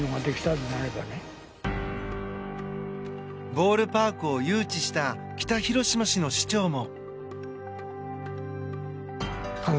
ボールパークを誘致した北広島市の市長も。